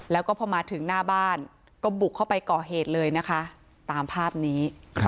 แล้วก็พอมาถึงหน้าบ้านก็บุกเข้าไปก่อเหตุเลยนะคะตามภาพนี้